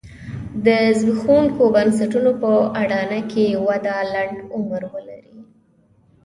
د زبېښونکو بنسټونو په اډانه کې وده لنډ عمر ولري.